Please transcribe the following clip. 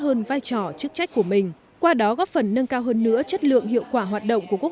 hơn vai trò chức trách của mình qua đó góp phần nâng cao hơn nữa chất lượng hiệu quả hoạt động của quốc